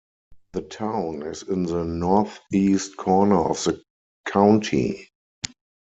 The town is in the northeast corner of the county.